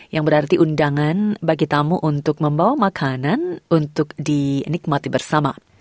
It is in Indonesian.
yang berarti undangan bagi tamu untuk membawa makanan untuk dinikmati bersama